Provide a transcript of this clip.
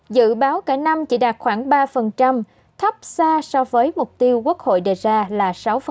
dự báo cả năm chỉ đạt khoảng ba thấp xa so với mục tiêu quốc hội đề ra là sáu